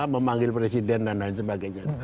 memanggil presiden dan lain sebagainya